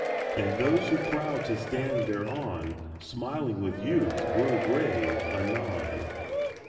And those who crowd to stand thereon Smiling with youth grow grave anon.